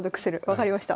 分かりました。